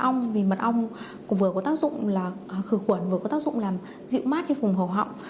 ong vì mật ong cũng vừa có tác dụng là khử khuẩn vừa có tác dụng làm dịu mát cái vùng hầu họng